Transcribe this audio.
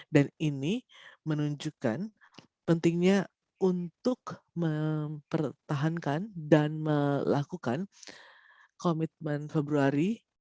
dan ini menunjukkan pentingnya untuk mempertahankan dan melakukan komitmen februari